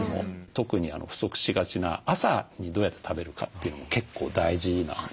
特に不足しがちな朝にどうやって食べるかというのも結構大事なんですね。